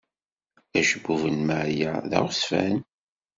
Acebbub n Maria d aɣezzfan.